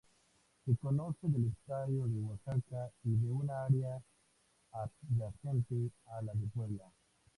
Se conoce del estado de Oaxaca y de un área adyacente al de Puebla.